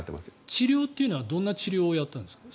治療というのはどんな治療をしたんですか？